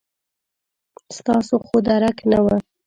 ستاسو خو درک نه و.